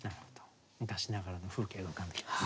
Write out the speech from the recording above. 昔ながらの風景が浮かんできますね。